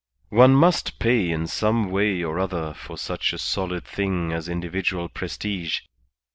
One must pay in some way or other for such a solid thing as individual prestige.